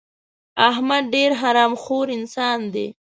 احمد ډېر حرام خور انسان دی.